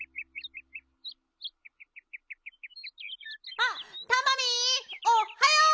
あっタマミーおっはよう！